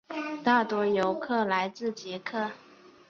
大多数游客来自捷克。